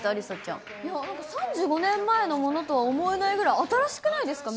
なんか３５年前のものとは思えないぐらい新しくないですか？